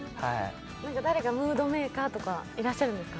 誰かムードメーカーとかいらっしゃいますか？